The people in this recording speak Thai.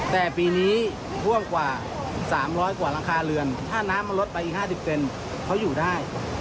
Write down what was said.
แต่ปีนี้พ่วงกว่าสามร้อยกว่ารังคาเรือนถ้าน้ำมันลดไปอีกห้าสิบเต็มเขาอยู่ได้